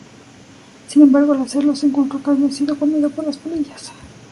Sin embargo, al hacerlo, se encontró que había sido comido por las polillas.